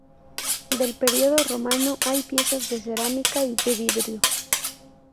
Del periodo romano hay piezas de cerámica y de vidrio.